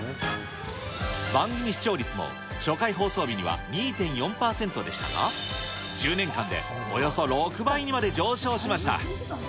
番組視聴率も初回放送日には２．４％でしたが、１０年間でおよそ６倍にまで上昇しました。